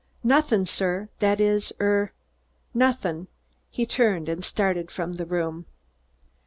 "Nothing, sir! that is er nothing." He turned and started from the room.